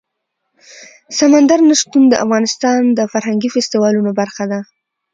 سمندر نه شتون د افغانستان د فرهنګي فستیوالونو برخه ده.